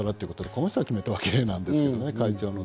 この人が決めたわけなんですけどね。